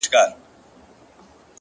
هغه نجلۍ سندره نه غواړي ـ سندري غواړي ـ